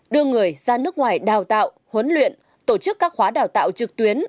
đưa người ra nước ngoài đào tạo huấn luyện tổ chức các khóa đào tạo trực tuyến